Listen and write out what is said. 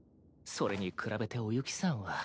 それに比べておユキさんは。